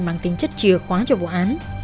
mang tính chất chìa khóa cho vụ án